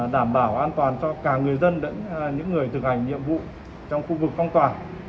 đảm bảo an toàn cho cả người dân những người thực hành nhiệm vụ trong khu vực phong tỏa